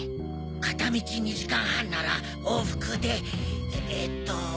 片道２時間半なら往復でえっと。